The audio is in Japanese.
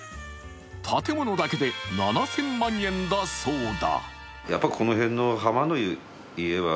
建物だけで７０００万円だそうだ。